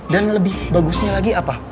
dan lebih bagusnya lagi apa